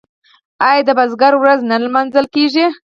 آیا د بزګر ورځ نه لمانځل کیږي؟